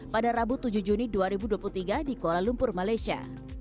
pada rabu tujuh juni dua ribu dua puluh tiga di kuala lumpur malaysia